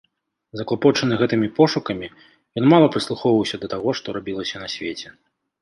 Заклапочаны гэтымі пошукамі, ён мала прыслухоўваўся да таго, што рабілася на свеце.